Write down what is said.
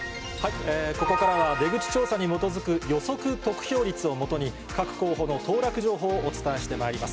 ここからは出口調査に基づく予測得票率を基に、各候補の当落情報をお伝えしてまいります。